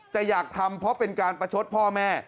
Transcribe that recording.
แต่อยากทำเพราะเป็นการประชดพ่อแม่